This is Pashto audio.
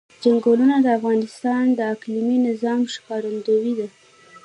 چنګلونه د افغانستان د اقلیمي نظام ښکارندوی ده.